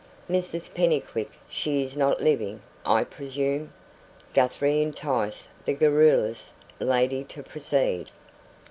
"Mrs. Pennycuick she is not living, I presume?" Guthrie enticed the garrulous lady to proceed.